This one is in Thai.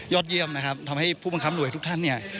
เยี่ยมนะครับทำให้ผู้บังคับหน่วยทุกท่านเนี่ย